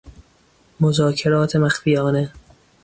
مذاکرات مخفیانه